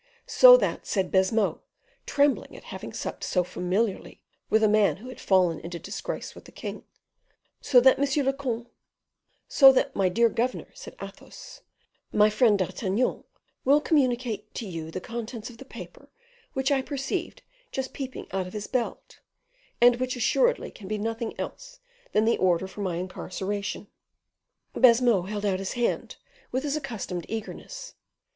"So that," said Baisemeaux, trembling at having supped so familiarly with a man who had fallen into disgrace with the king; "so that, monsieur le comte " "So that, my dear governor," said Athos, "my friend D'Artagnan will communicate to you the contents of the paper which I perceived just peeping out of his belt, and which assuredly can be nothing else than the order for my incarceration." Baisemeaux held out his hand with his accustomed eagerness.